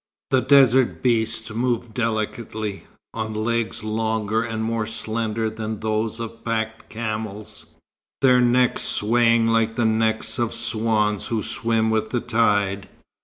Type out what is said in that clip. The desert beasts moved delicately, on legs longer and more slender than those of pack camels, their necks swaying like the necks of swans who swim with the tide.